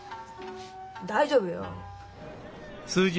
大丈夫よ。